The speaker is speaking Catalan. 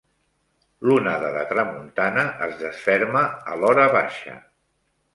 L'onada de tramuntana es desferma a l'horabaixa.